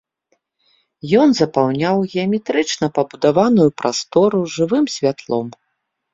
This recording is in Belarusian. Ён запаўняў геаметрычна пабудаваную прастору жывым святлом.